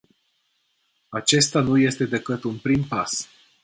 Acesta nu este decât un prim pas.